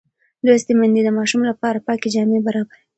لوستې میندې د ماشوم لپاره پاکې جامې برابروي.